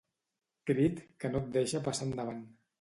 Crit que no et deixa passar endavant.